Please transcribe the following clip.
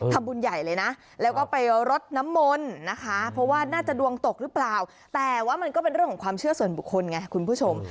ทำบุญใหญ่เลยนะแล้วก็ไปรดน้ำมนต์นะคะเพราะว่าน่าจะดวงตกหรือเปล่าแต่ว่ามันก็เป็นเรื่องของความเชื่อส่วนบุคคลไงคุณผู้ชม